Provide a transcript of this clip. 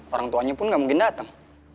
orang tuanya pun gak mungkin datang